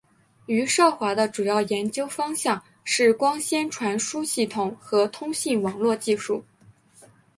余少华的主要研究方向是光纤传输系统和通信网络技术。